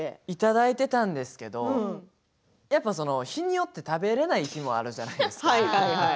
いただいていたんですが日によって食べれない日もあるじゃないですか。